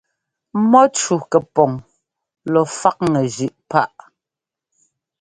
Mɔ́cú kɛpɔŋ lɔ faꞌŋɛ zʉꞌ páꞌ.